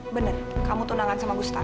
bener kamu tunangan sama ustadz